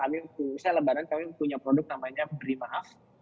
misalnya lebaran kami punya produk namanya beri maaf